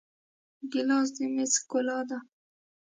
ګیلاس د میز ښکلا ده.